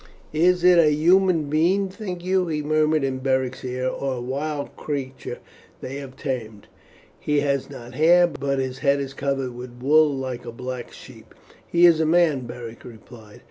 "Is it a human being, think you," he murmured in Beric's ear, "or a wild creature they have tamed? He has not hair, but his head is covered with wool like a black sheep." "He is a man," Beric replied.